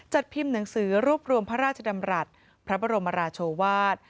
พิมพ์หนังสือรวบรวมพระราชดำรัฐพระบรมราชวาส